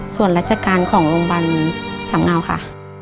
ส่วนราชการของโรงพยาบาลสามเงาค่ะ